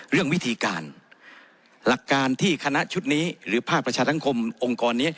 เรื่องวิธีการหลักการที่คณะชุดนี้หรือภาคประชาสังคมองค์กรนี้